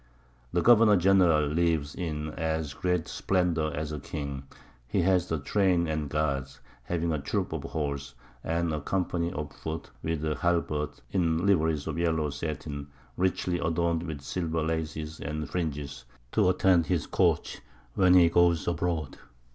The Governour General lives in as great Splendor as a King; he has a Train and Guards, having a Troop of Horse, and a Company of Foot, with Halberds, in Liveries of yellow Satin, richly adorn'd with Silver Laces and Fringes, to attend his Coach when he goes abroad.